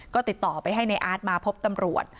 ก็ติดต่อไปให้ในอาร์ตมาพบตำรวจ